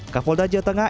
ke polda jawa tengah